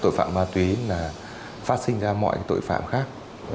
tội phạm ma túy là phát sinh ra mọi tội phạm khác